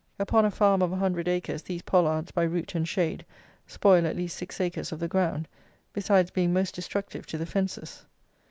Upon a farm of a hundred acres these pollards, by root and shade, spoil at least six acres of the ground, besides being most destructive to the fences.